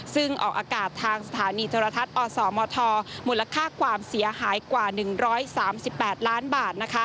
ซึ่งออกอากาศทางสถานีโทรทัศน์อสมทมูลค่าความเสียหายกว่า๑๓๘ล้านบาท